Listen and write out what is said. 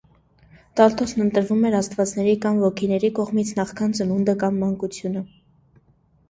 Տալտոսն ընտրվում էր աստվածների կամ ոգիների կողմից նախքան ծնունդը կամ մանկությունը։